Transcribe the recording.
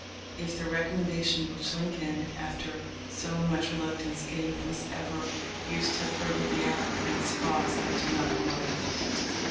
If the recommendation which Lincoln, after so much reluctance, gave was ever used to further the applicant's cause I do not know it.